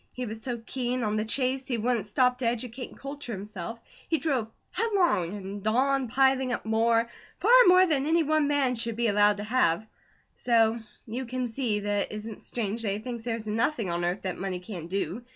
He was so keen on the chase he wouldn't stop to educate and culture himself; he drove headlong on, and on, piling up more, far more than any one man should be allowed to have; so you can see that it isn't strange that he thinks there's nothing on earth that money can't do.